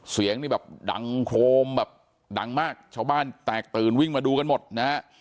เสียงดังโครมดังมากชาวบ้านแตกตื่นวิ่งมาดูกันหมดนะ